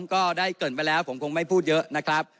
ก็ได้เกิดไปแล้วผมคงไม่พูดเยอะนะครับ